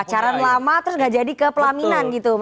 pacaran lama terus gak jadi kepelaminan gitu